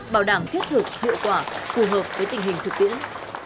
bảo đảm thiết thực hiệu quả phù hợp với tình hình thực tiễn